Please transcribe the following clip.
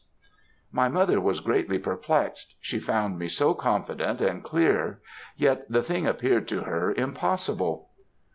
"My mother was greatly perplexed; she found me so confident and clear; yet, the thing appeared to her impossible.